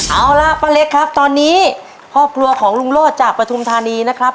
เอาล่ะป้าเล็กครับตอนนี้ครอบครัวของลุงโลศจากปฐุมธานีนะครับ